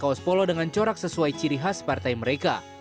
kaos polo dengan corak sesuai ciri khas partai mereka